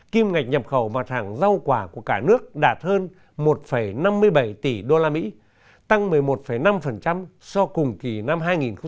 kim ngạch nhập khẩu mặt hàng rau quả của cả nước đạt hơn một năm mươi bảy tỷ usd tăng một mươi một năm so với cùng kỳ năm hai nghìn một mươi tám